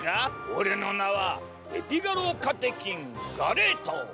俺の名はエピガロカテキンガレート。